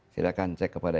silahkan cek kepada